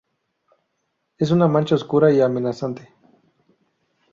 Es una marcha oscura y amenazante.